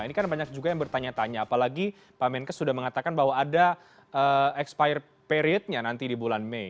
ini kan banyak juga yang bertanya tanya apalagi pak menkes sudah mengatakan bahwa ada expire periodnya nanti di bulan mei